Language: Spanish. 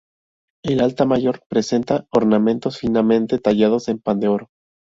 El altar mayor presenta ornamentos finamente tallados en pan de oro.